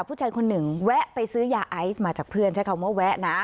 ผู้ชายคนหนึ่งแวะไปซื้อยาไอซ์มาจากเพื่อนใช้คำว่าแวะนะ